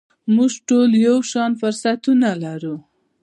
موږ ټول یو شان فرصتونه لرو .